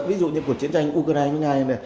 ví dụ như cuộc chiến tranh ukraine với nga